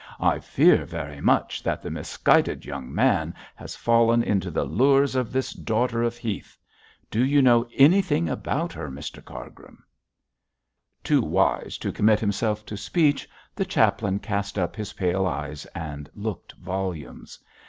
'I fear very much that the misguided young man has fallen into the lures of this daughter of Heth. Do you know anything about her, Mr Cargrim?' Too wise to commit himself to speech, the chaplain cast up his pale eyes and looked volumes.